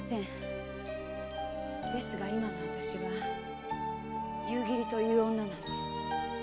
ですが今の私は「夕霧」という女なんです。